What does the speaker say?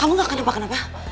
kamu ga kena apa apa